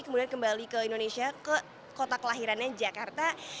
kemudian kembali ke indonesia ke kota kelahirannya jakarta